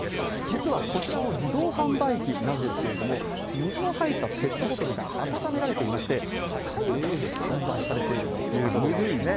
実はこちらの自動販売機なんですけれども、水の入ったペットボトルが温められていまして、さ湯が販売されているということなんですね。